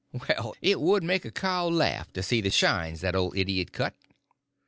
Well, it would make a cow laugh to see the shines that old idiot cut.